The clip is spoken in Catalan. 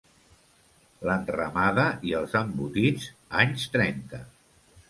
L'enramada i els embotits, anys trenta.